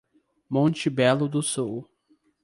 Monte Belo do Sul